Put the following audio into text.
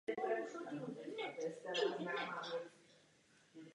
Používá se pro kontrolu integrity souborů nebo ukládání hesel.